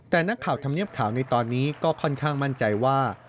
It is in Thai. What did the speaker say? แต่นักข่าวธรรมเนียบข่าวในตอนนี้ก็ค่อนข้างมั่นใจว่า